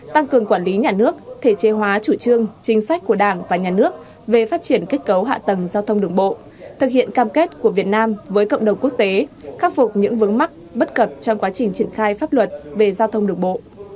tăng cường quản lý nhà nước thể chế hóa chủ trương chính sách của đảng và nhà nước về phát triển kết cấu hạ tầng giao thông đường bộ thực hiện cam kết của việt nam với cộng đồng quốc tế khắc phục những vấn mắc bất cập trong quá trình triển khai pháp luật về giao thông đường bộ